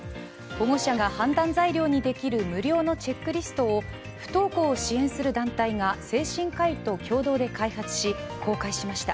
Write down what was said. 保護者が判断材料にできる無料のチェックリストを不登校を支援する団体が精神科医と共同で開発し、公開しました。